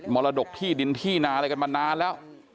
มรดกที่ดินที่นาอะไรกันมานานแล้ว